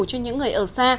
cho những người ở xa